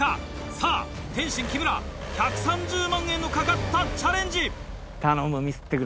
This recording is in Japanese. さぁ天津・木村１３０万円の懸かったチャレンジ。